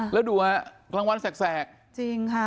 แล้วดูฮะกลางวันแสกจริงค่ะ